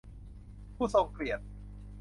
ผู้ทรงเกียรติ